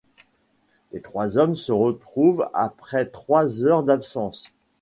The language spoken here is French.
Les trois hommes se retrouvent après trois heures d'absence.